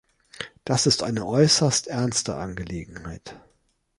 Das ist eine äußerst ernste Angelegenheit.